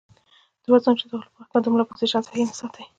د وزن اوچتولو پۀ وخت د ملا پوزيشن سهي نۀ ساتي